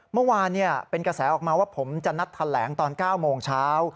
เมื่อวานเป็นกระแสออกมาว่าผมจะนัดแถลงตอน๙โมงเช้า